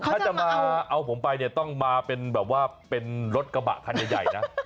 ถ้าจะมาเอาผมไปเนี่ยต้องมาเป็นแบบว่าเป็นรถกระบะคันใหญ่นะ